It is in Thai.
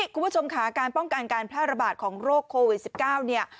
คุณผู้ชมค่ะการป้องกันการแพร่ระบาดของโรคโควิด๑๙เนี่ย